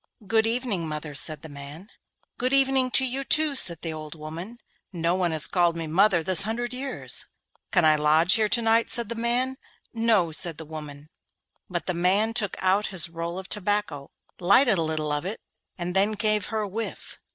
'Good evening, mother,' said the man. 'Good evening to you too,' said the old woman. 'No one has called me mother this hundred years.' 'Can I lodge here to night?' said the man. 'No,' said the old woman. But the man took out his roll of tobacco, lighted a little of it, and then gave her a whiff.